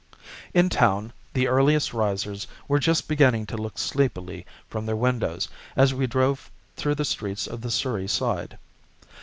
In town the earliest risers were just beginning to look sleepily from their windows as we drove through the streets of the Surrey side.